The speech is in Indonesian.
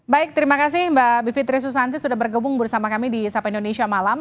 baik terima kasih mbak bivitri susanti sudah bergabung bersama kami di sapa indonesia malam